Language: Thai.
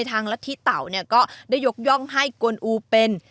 และที่เต่าได้ยกยองทำให้กวนอู๋เป็น